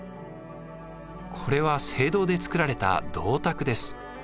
これは青銅で作られた銅鐸です。